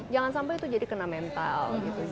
jangan sampai itu jadi kena mental